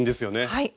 はい。